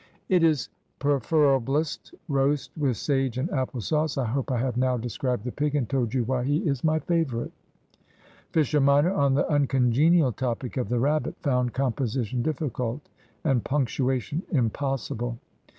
"It is preferrablest roast with sage and apple sauce. I hope I have now described the pig and told you why he is my favourite." Fisher minor, on the uncongenial topic of the rabbit, found composition difficult and punctuation impossible.